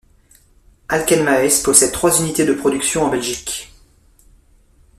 Alken-Maes possède trois unités de production en Belgique.